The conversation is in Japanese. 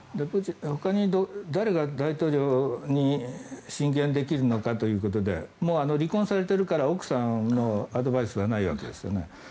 ほかに誰が大統領に進言できるのかということで離婚されているから奥さんもアドバイスはないわけですよね。